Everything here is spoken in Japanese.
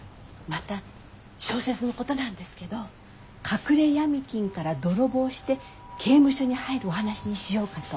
また小説のことなんですけど隠れ闇金から泥棒して刑務所に入るお話にしようかと。